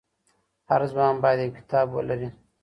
هر ځوان بايد يو کتاب ولري.